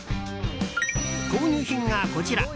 購入品がこちら。